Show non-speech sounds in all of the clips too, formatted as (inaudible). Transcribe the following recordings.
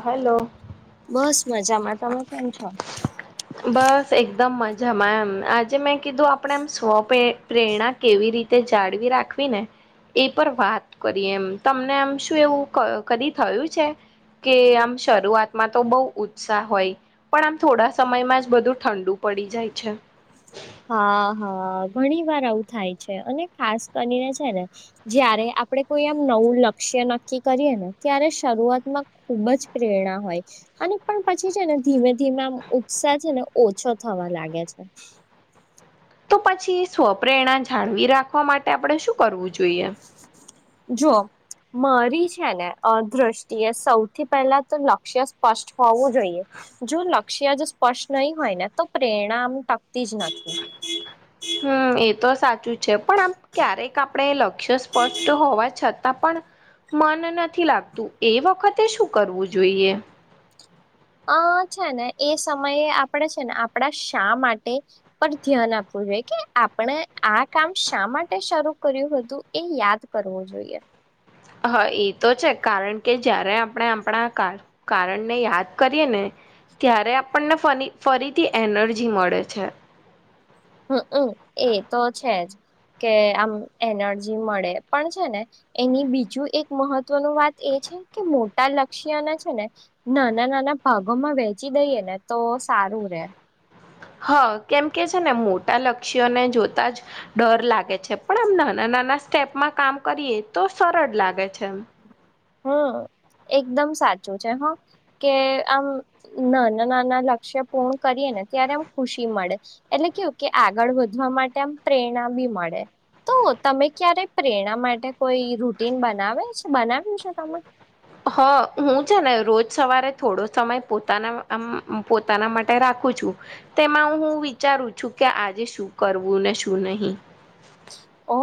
Hello. બસ મજામાં તમે કેમ છો. બસ એકદમ મજામાં એમ આજે મેં કીધું આપણેે એમ સ્વ પ્રેરણા કેવીી રીતે જાળવી રાખવી ને. એ પર વાત કરી એમ તમને આમ શું એવું કદી થયું છે. કે આમ શરૂઆતમાં તો બહુ ઉત્સાહ હોય પણ આમ થોડા સમયમાં જ બધું ઠંડુ પડી જાય છે. હા હા ઘણી વાર આવું થાય છે અને ખાસ કરીને છે ને જયારે. આપણે કોઈ આમ નવું લક્ષ્ય નક્કી કરીએ ને ત્યારે શરૂઆતમાં ખુબ જ પ્રેરણા હોય. અને પણ પછી છે ને ધીમે ધીમે આમ ઉત્સાહ છે ને ઓછો થવા લાગે છે. તો પછી સ્વપેરણા જાળવી રાખવા માટે આપણે શું કરવું જોઈએ. જો મારી છે ને દ્રષ્ટિએ સૌથી પહેલા તો લક્ષ્ય સ્પષ્ટ હોવું જોઈએ. જો લક્ષ્ય જો સ્પષ્ટ નહી હોય ને તો પ્રેરણામ ટકતી જ નથી. હમ એતો સાચી. છે પણ આમ ક્યારેક આપણે લક્ષ્ય સ્પષ્ટ હોવા છતાં પણ મન નથી લાગતું એ વખતે શું કરવું જોઈએ અ છે ને એ સમયે આપણેે છે ને આપડા શા માટે પણ ધ્યાન આપવું કે આપણે આ કામ શા માટે શરૂ કર્યું હતું એ યાદ કરવું જોઈએ હા એ તો છે કારણ કે જય્યારે આપણે આપણા કારણને યાદ કરીએ ને ત્યારે આપણને ફ ફરીથી એનર્જી મળે છે. હમ હમ એ તો છે જ. કે આમ એનર્જી મળે પણ છે ને એની બીજું એક મહત્વનું વાત એ કે મોટા લક્ષ્યના છે ને નાના નાના ભાગોમાં વેચી દઈએ ને તો. ચારુંર્યા હા કેમ કે છે ને મોટા લક્ષ્યોને જોતા જ ડર લાગે છે પણ આમ નાના નાના સ્ટેપમાં કામ કરીએ તો સરળ લાગે છે એમ. (inaudible) એકદમ સાચું છે હા કે આમ નાના નાના લક્ષ્ય પૂર્ણ કરીએ ને ત્યારે એમ ખુશી મળે એટલે કેવું કે આગળ વધવા માટે આમ પ્રેરણા બી મળે. તો તમે ક્યારે પ્રેરણા માટે કોઈ રૂટીન બનાવે છે બનાવ્યું છે તમે હ હું છે ને રોજ સવારે થોડો. સમય પોતાના પોતાના માટે રાખું છું તેમાં હું વિચારું છું કે આ આજે શું કરવું ને શું નહીં. ઓ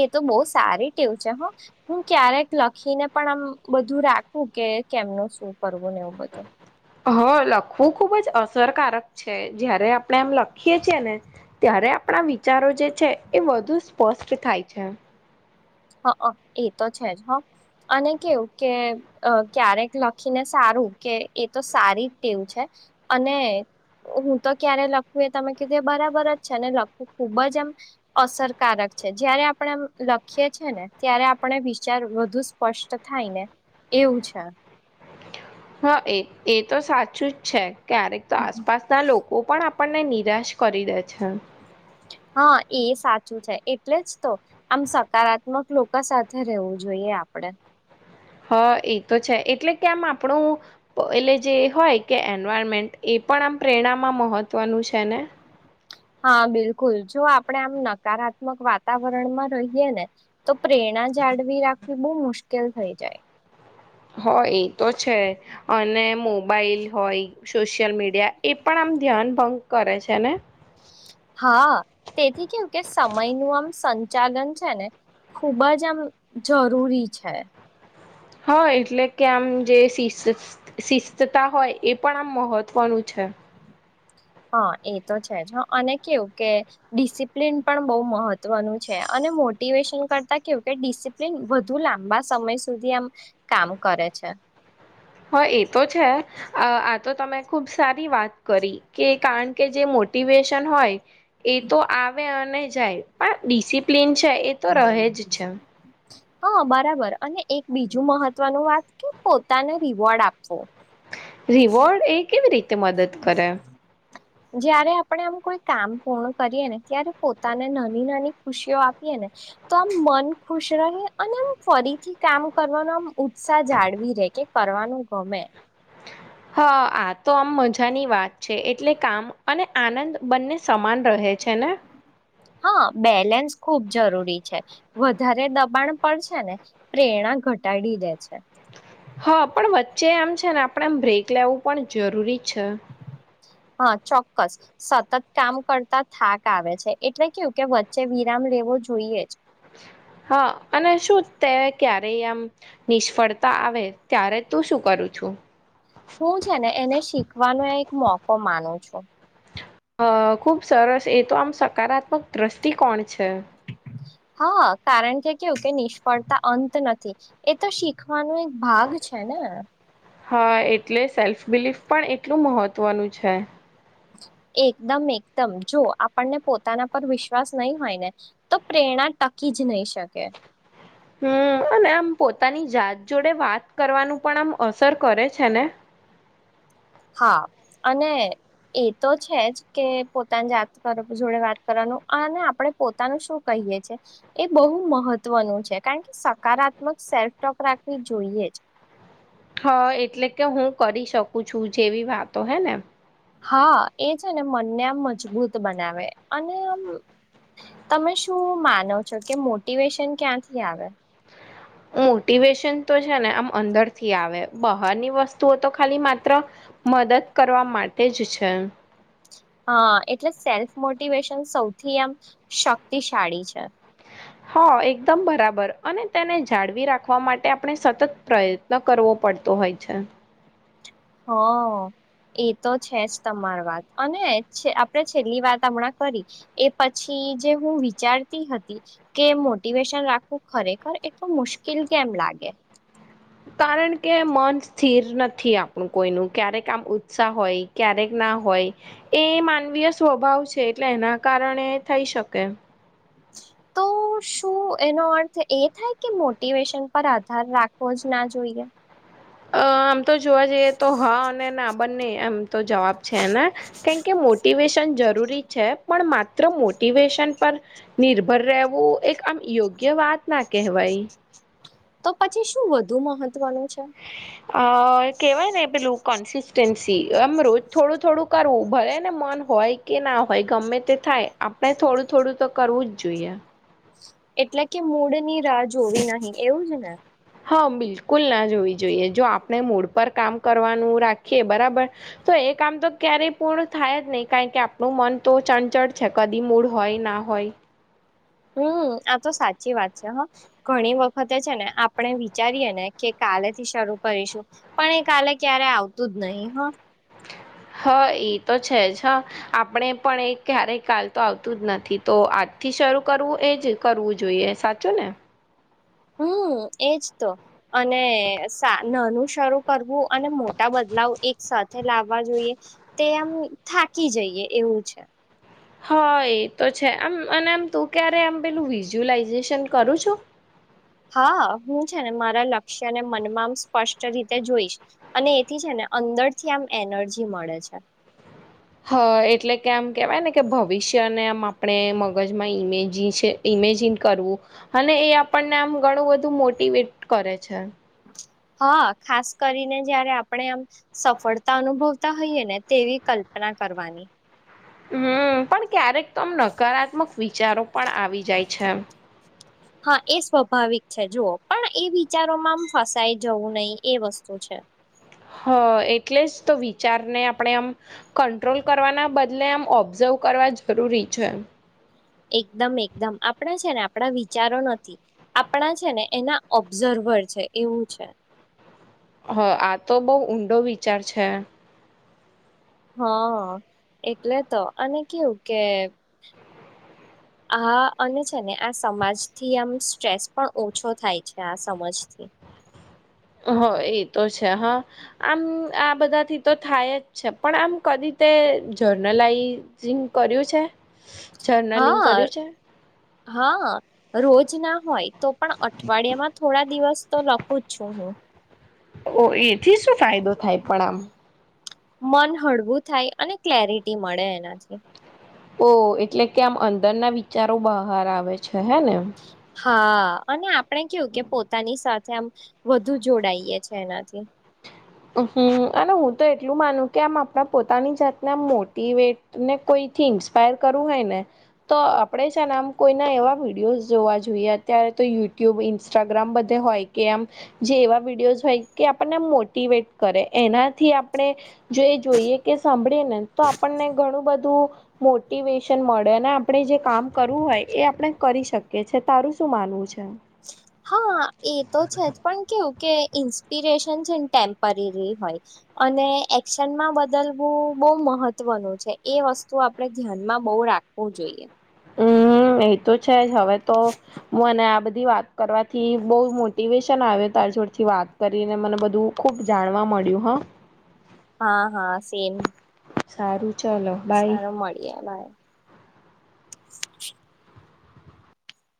એ તો બહુ સારી ટેવું છે, હ હું ક્યારેક લખીને પણ આમ બ ધું રાખું કે કેમ નુ શું કરવું ને એવું બધું. હ લખવું ખુબ જ અસરકારક છે, જયારે આપણે એમ લખીએ છીએ ને ત્યારે આ પણા વિચારો જે છે, એ વધુ સ્પષ્ટ થાય છે. હ અ એ તો છે જ હ અને કેવું કે અં ક્યારેક લખીને સારું કે એ તો સારી ટેવ છે. અને. હું તો ક્યારે લખવું એ તમે કીધું એ બરાબર જ છે ને લખવું ખુબ જ એમ અસરકારક. છે, જયારે આપણેે લખીએ છે ને ત્યારે આપણે વિચાર વધુ સ્પષ્ટ થાય ને એવું છે. હા એ એ તો સાચું જ છે, ક્યારેક તો આસપાસના લોકો પણ આ પણને નિરાશ કરી દે છે. હા એ સાચું છે, એટલે જ તો આમ સકારાત્મક લોકો સાથે રહેવું જોઈએ આ પડે. હા એ તો છે, એટલે કે આમ આપણું એટલે જે હોય કે એન્વાયરમેન્ટ એ પણ આમ પ્રેરણામાં મહત્વનું છે ને? હા બિલકુલ જો આપડે આમ નકારાત્મક વાતાવરણમાં રહીએ ને તો પ્રે પ્રણા જાળવી રાખવી બહુ મુશ્કેલ થઈ જાય હોય એ તો છે અને મોબાઈલ હોય સોશિયલ મીડિયા એ પણ મ ધ્યાન ભંગ કરે છે ને? હા તેથી કેવું કે સમય નું આમ સંચાલન છે ને ખૂબ જ આમ જરૂરી છે. હા એટલે કે આમ જે સીસ શિસ્તતા હોય એ પણ આમ મહત્વનું છે. એ. હા એ તો છે જ હ અને કેવું કે ડિસિપ્લિન પણ બહુ મહત્વનું છે અને મોટિવેશન કરતા કેવુકે ડિસિપ્લિન વધુ લાંબા સમય સુધી આમ કામ કરે છે. (inaudible) હા એ તો છે આ આ તો તમે ખુબ સારી વાત કરી કે કારણ કે જે મોટિવેશન હોય એ તો આવે અને જાય પણ ડિસિપ્લન છે એ તો રહે જ છે. હા બરાબર અને એક બીજું મહત્વનું વાત કે પોતાને રિવોર્ડ આપવો. રિવોર્ડ એ કેવી રીતે મદદ કરે? જયારે આપણે આમ કોઈ કામ પૂર્ણ કરીએ ને ત્યારે પોતાને નાની નાની ખુશીઓ આપી એને તો આમ મન ખુશ રહે અને આ ફરીથી કામ કરવાનો આમ ઉત્સાહ જાળવી રે કે કરવાનું ગમે. હા આ તો આમ મજાની વાત છે એટલે કામ અને આનંદ બંને સમાન રહે છે. ને હા બેલેન્સ ખૂબ જરૂરી છે, વધારે દબાણ પડશે ને પ્રેરણા ઘટાડી દે છે. હા પણ વચ્ચે આમ છે ને આપણેમ બ્રેક લેવું પણ જરૂરી છે. હા ચોક્કસ સતત કામ કરતા થાક આવે છે એટલે કેવુકે વચ્ચે વિરા મ લેવો જોઈએ જ. હા અને શું તે ક્યારે આમ નિષ્ફળતા આવે ત્યારે તું શું કરું છું? હું છે ને એને શીખવાનો એક મોકો માનું છું. અ ખુબ સરસ એ તો આમ સકારાત્મક દ્રષ્ટિ કોણ છે. હા કારણ કે કેવું કે નિષ્ફળતા અંત નથી એ તો શીખવાનુ એક ભાગ છે ને. હા એટલે સેલ્ફ બિલીફ પણ એટલું મહત્વનું છે. એકદમ એકદમ જો આપણને પોતાના પર વિશ્વાસ નહી હોય ને તો પ્રેરણા ટકી જ નહી શકે. હમ ને આમ પોતાની જાત જોડે વાત કરવાનું પણ આમ અસર કરે છે ને હા અને એ તો છે જ કે પોતાની જાત જોડે વાત કરવાનું અને આપડે પોતાનું શું કહી એ બહુ મહત્વનું છે કારણ કે સકારાત્મક સેલ્ફોક રાખવી જોઈએ જ હા એટલે કે હું કરી શકું છું જેવી વાતો હે ને હા એ છે ને મનને આમ મજબૂત બનાવે અને આમ તમે શું માનો છો કે મોટિવેશન ક્યાંથી આવે મોટિવેશન તો છે ને આમ અંદર થી આવે બહારની વસ્તુઓ તો ખાલી માત્ર મદદ કરવા માટે જ છે. હા એટલે સેલ્ફ મોટિવેશન સૌથી એમ શક્તિશાળી છે. હ એકદમ બરાબર અને તેને જાળવી રાખવા માટે આપણે સતત પ્રયત્ન કરવો પડતો હોય છે. હા એ તો છે જ તમારી વાત અને આપણે છેલ્લી વાત હમણાં કરી એ પછી જે હું વિચારતી હતી કે મોટિવેશન રાખવું ખરેખર એટલ મુશ્કેલ કેમ લાગે હમ (unintelligible) કારણ કે મન સ્થિર નથી આપણું કોઈનું ક્યારેક આમ ઉત્સાહ હોય ક્યારેક ના હોય એ માનવીય સ્વભાવ છે એટલે એના કારણે થઈ શકે હ (inaudible) તો શું એનો અર્થ એ થાય કે મોટિવેશન પર આધાર રાખવો જ ના જોઈએ અ આમ તો જોવા જઈએ તો હા અને ના બંને એમ તો જવાબ છે ને કેમ કે મોટિવેશન જરૂરી છે પણ મ મોટિવેશન પર નિર્ભર રહેવું એક આમ યોગ્ય વાત ના કહેવાય. તો પછી શું વધુ મહત્વનું છે. અ કેવાય ને પેલું કન્સિસ્ટન્સી સી એમ રોજ થોડું થોડું કરવું ભલે ને મન હોય કે ના હોય ગમે તે થાય આપણે થોડું થોડું તો કરવું જ જોઈએ એટલે કે મૂળની રાહ જોવી નહીિ એવું છે ને હા બિલકુલ ના જોવી જોઈએ જો આપણે મૂડ પર કામ કરવાનું રાખીએ બરાબર તો એ કામ તો ક્યારેય પૂર્ણ થાય જ નહીિ કારણ કે આપણું મન તો ચણચળ છે કદી મૂળ હોય ના હોય. (inaudible) હમ આ તો સાચી વાત છે હ ઘણી વખતે છે ને આપણે વિચારીએે ને કે કાલેથી કરીશું પણ એ કાલે ક્યારે આવતું જ નહી હ હ (unintelligible) હા એ તો છે જ હ આપણે પણ એ ક્યારેય કાલ તો આવતું જ નથી તો આજથી જ શરૂ કરવું એ જ કરવું જોઈએ સાચો ને હમ એજ તો અને નાનું શરૂ કરવુંય્ અને મોટા બદલાવ એકસાથ લાવવા જોઈએ તે આમ થાકી જઈએ એવું છે. હ એ તો છે આમ અને આમ તું ક્યારે આમ પેલું વિઝ્યુઅલાઈઝેશન કરું છો. હા હું છે ને મારા લક્ષ્યને મનમાં આમ સ્પષ્ટ રીતે જોઈશ અને એથી છે ને અંદર થી આમ એનર્જી મળે છે. હ (unintelligible) હા એટલે કે આમ કેવાય ને કે ભવિષ્યને આમ આપણે મગજમાં ઈમેજી છે. ઇમેજન કરવું અને એ આપણને આમ ઘણું બધું મોટવેટ કરે છે. હા ખાસ કરીને જયારે આપણે આમ સફળતા અનુભવતા હોઈએે ને તેવી કલ્પના કરવાની હમ પણ ક્યારેક તો આમ નકારાત્મક વિચારો પણ આવી જાય છે. હા એ સ્વાભાવિક છે જુઓ પણ એ વિચારોમાં આમ ફસાઈ જવું નહીિ એ વસ્તુ છે. હ હ એટલે જ તો વિચારને આપણે આમ કંટ્રોલ કરવાના બદલે આમ ઓબ્ઝર્વ કર કરવા જરૂરી છે એકદમ એકદમ આપણા છે ને આપણા વિચારો નથી આપણા છે ને એના ઓબ્ઝર્વ ખબર છે એવું છે હ આ તો બહ ઊંડો વિચાર છે હા એટલે તો અને કેવું કે આ અને છે ને આ સમાજથી આમ સ્ટ્રેસ પણ ઓછો થાય છે આ સમાજથી હ હ એ તો છે હા આમ આ બધાથી તો થાય જ છે પણ આમ કદી તે જર્નલાઈઝિંગ કર્યું છે જર્નલિંગ હા કર્યું છે હા રોજ ના હોય તો પણ અઠવાડિયા માં થોડા દિવસ તો લખું જ છું હહ ઓ એથી શું ફાયદો થાય પણ આમ મન હળવું થાય અને ક્લેરિટી મળે એનાથી ઓહ એટલે કે આમ અંદરના વિચારો બહાર આવે છે હે નેમ હા અને આપણે કેવું કે પોતાની સાથે આમ વધુ જોડાઈએ છે એનાથી હમ અને હું તો એટલું માનું કે આમ આપણા પોતાની જાતને આમ મોટવેટ ને કોઈ થી ઇન્પાયર કરવું હોય ને તો આપણે આમ કોઈના એવા વિડીયો જોવા જોઈએત્યારે યુટ્યુબ ઇન્સ્ટાગ્રામ બધ હોય કે આમ જે એવા વિડીયોઝ હોય કે આપણને ટ કરે એનાથી આપણે જો જોઈએ કે સાંભળીએ ને તો આપણને ઘણું બધું મોેશન મળે આપણે જે કામ કરવું હોય એ આપણે કરી શકીએ છીએ તારું શું પાલવું છે હા એ તો છે જ પણ કેવું કે ઇન્સ્પિરેશન છે ને ટેમ્પરરી હોય અને એક્શનમાં બદલવું બહુ મહત્વનું છે એ વસ્તુ આપડે ધ્યાનમાં બહ રાખવું જોઈએ હમ એ તો છે જ હવે તોુંને આ બધા વાત કરવાથી બહુ મોટિવેશન આવે તારછોડથી વાત કરીને મને બધું ખૂબ જાણવા મળે મળળ્યુંહ હા હા સેમ સારું ચલો બાય સારું મળીએ ભાઈ